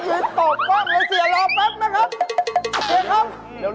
ไปยืนตกฟังเลยเสียรอแป๊บนะครับ